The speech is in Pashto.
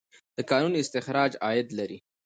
د کانونو استخراج عاید لري.